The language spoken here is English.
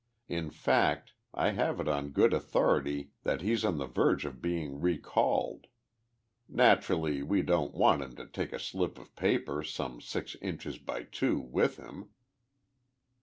In fact, I have it on good authority that he's on the verge of being recalled. Naturally we don't want him to take a slip of paper, some six inches by two, with him!"